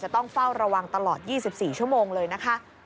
ต้องเฝ้าระวังตลอด๒๔ชั่วโมงเลยนะคะ